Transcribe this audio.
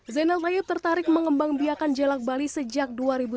zainal nayeb tertarik mengembang biakan jelak bali sejak dua ribu sembilan belas